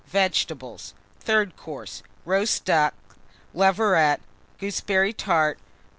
Vegetables. THIRD COURSE. Roast Ducks. Leveret. Gooseberry Tart.